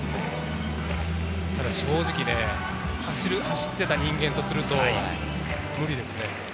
ただ正直、走っていた人間とすると無理ですね。